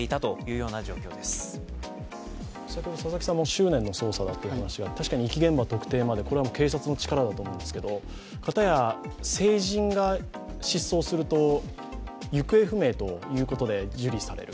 執念の捜査だという話で、遺棄現場特定までこれは警察の力だと思うんですけど、片や成人が失踪すると行方不明ということで受理される。